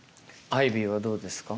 アイビーはどうですか？